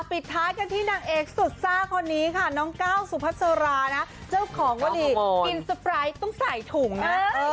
ปิดท้ายกันที่นางเอกสุดซ่าคนนี้ค่ะน้องก้าวสุพัสรานะเจ้าของวลีกินสปายต้องใส่ถุงนะ